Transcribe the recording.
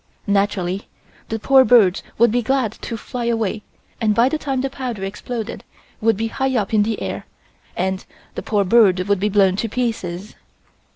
Naturally the poor birds would be glad to fly away and by the time the powder exploded would be high up in the air and the poor bird would be blown to pieces.